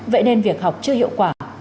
vậy nên việc học chưa hiệu quả